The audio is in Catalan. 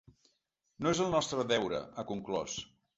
No és el nostre deure, ha conclòs.